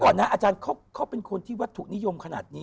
เดี๋ยวก่อนนะอาจารย์เขาเป็นคนที่ถูกนิยมขนาดนี้